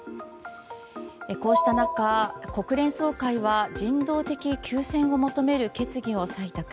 こうした中、国連総会は人道的休戦を求める決議を採択。